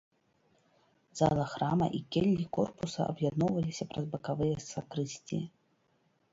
Зала храма і келлі корпуса аб'ядноўваліся праз бакавыя сакрысціі.